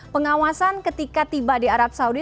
pengawasan ketika tiba di arab saudi